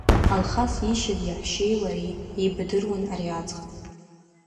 Алхас иишьыз иаҳәшьеи лареи иеибадыруан ари аӡӷаб.